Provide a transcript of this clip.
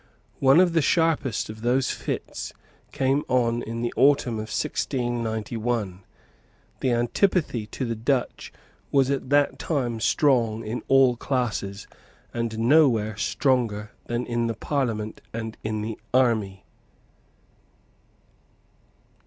One of the sharpest of those fits came on in the autumn of 1691. The antipathy to the Dutch was at that time strong in all classes, and nowhere stronger than in the Parliament and in the army.